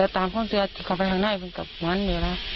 ตามพ่อเสืออเข้าไปทางหน้ากับมันเวลา